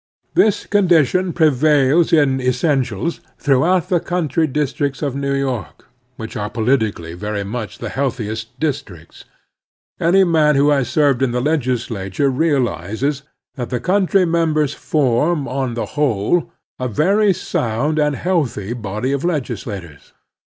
This condition prevails in essentials throughout the country districts of New York, which are polit ically very much the healthiest districts. Any man who has served in the legislature realizes that the country members form, on the whole, a very sound and healthy body of legislators.